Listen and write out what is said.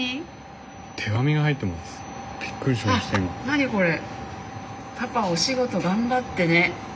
何これ？